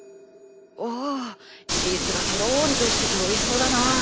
おおチーズがとろりとしてておいしそうだなあ。